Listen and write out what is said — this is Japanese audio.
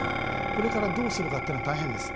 これからどうするかっていうのは大変です。